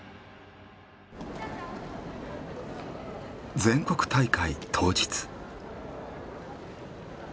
全国大会当日。